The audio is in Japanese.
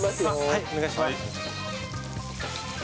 はいお願いします。